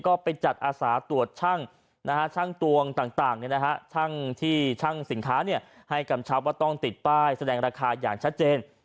ก็ไปจัดอาสาตรวจช่างตวงต่างที่ช่างสินค้าให้กำชับว่าต้องติดป้ายแสดงราคาอย่างชัดเจน